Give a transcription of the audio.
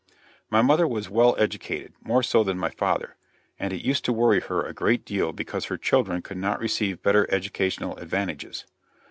My mother was well educated more so than my father and it used to worry her a great deal because her children could not receive better educational advantages.